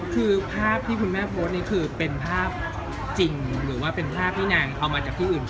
คือภาพที่คุณแม่โพสต์นี่คือเป็นภาพจริงหรือว่าเป็นภาพที่นางเอามาจากที่อื่น